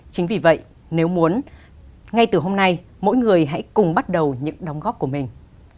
chính vì vậy nếu muốn ngay từ hôm nay mỗi người hãy cùng bắt đầu những đóng góp của mình